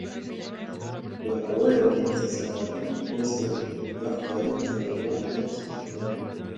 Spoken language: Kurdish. Bi awayekî sîstematîk postên Bexdayê ji Kurdan tên standin.